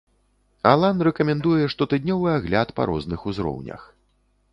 Алан рэкамендуе штотыднёвы агляд па розных узроўнях.